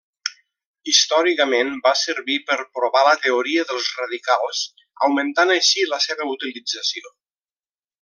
Històricament va servir per provar la teoria dels radicals augmentant així la seva utilització.